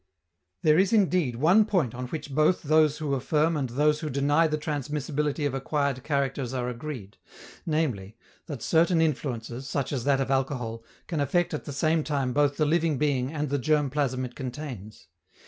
There is, indeed, one point on which both those who affirm and those who deny the transmissibility of acquired characters are agreed, namely, that certain influences, such as that of alcohol, can affect at the same time both the living being and the germ plasm it contains.